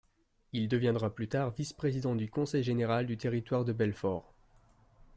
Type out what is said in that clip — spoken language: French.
Il deviendra plus tard vice-président du Conseil général du territoire de Belfort.